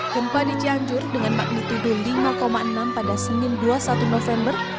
gempa di cianjur dengan magnitudo lima enam pada senin dua puluh satu november